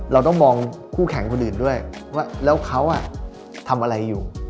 เราต้องมองคู่แข่งคนอื่นด้วยว่าแล้วเขาทำอะไรอยู่